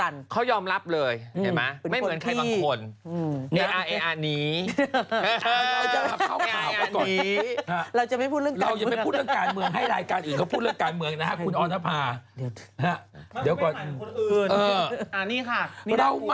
เราจะไม่พูดเรื่องการเมืองให้รายการอื่นนั้นพูดเรื่องการเมืองและครับ